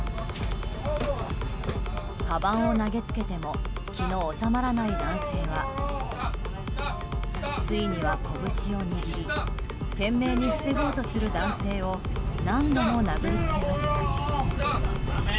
かばんを投げつけても気の収まらない男性はついには拳を握り懸命に防ごうとする男性を何度も殴りつけました。